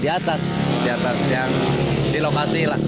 di atas di atas yang di lokasi lah